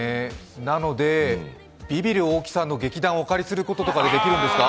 なので、ビビる大木さんの劇団をお借りすることってできるんですか？